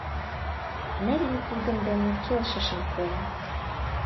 Нелли тудын дене келшышын койо.